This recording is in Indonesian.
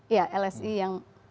ya lsi yang